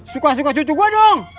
suka suka cucu gue dong